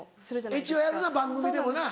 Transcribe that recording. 一応やるな番組でもな。